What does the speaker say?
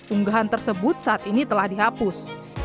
unggahan tersebut saat ini telah dihapus